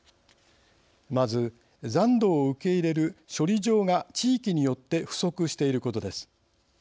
まず残土を受け入れる処理場が地域によって不足していることです。